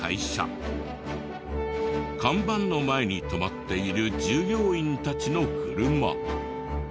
看板の前に止まっている従業員たちの車。